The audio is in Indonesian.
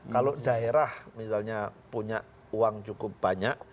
kalau daerah misalnya punya uang cukup banyak